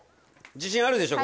自信あるでしょ？